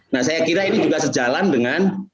nah saya kira ini juga sejalan dengan